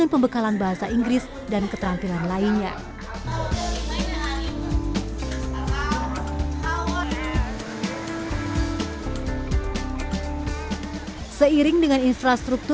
lalu kuliah di equivalent dua tahun sakit